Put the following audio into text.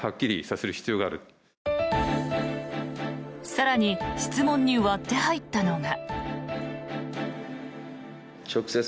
更に質問に割って入ったのが。